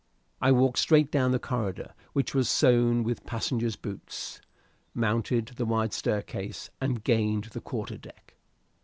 I walked straight down the corridor, which was sown with passengers' boots, mounted the wide staircase, and gained the quarter deck.